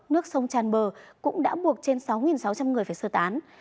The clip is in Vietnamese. nước sông tràn bờ cũng đã buộc trên sáu sáu trăm linh người phải sơ tán